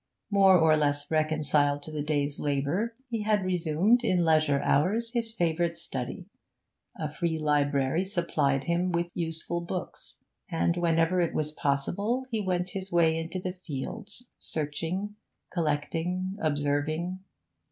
More or less reconciled to the day's labour, he had resumed in leisure hours his favourite study; a free library supplied him with useful books, and whenever it was possible he went his way into the fields, searching, collecting, observing.